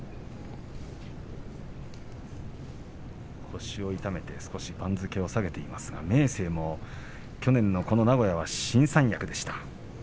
腰を痛めて少し番付を下げていますが明生は去年のこの名古屋が新三役でした。